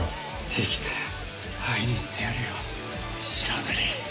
生きて会いに行ってやるよ白塗り。